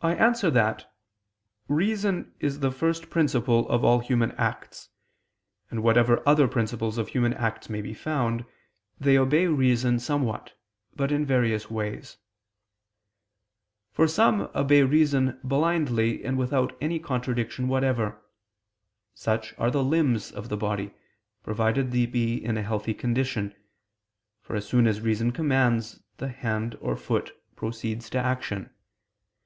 I answer that, Reason is the first principle of all human acts; and whatever other principles of human acts may be found, they obey reason somewhat, but in various ways. For some obey reason blindly and without any contradiction whatever: such are the limbs of the body, provided they be in a healthy condition, for as soon as reason commands, the hand or the foot proceeds to action.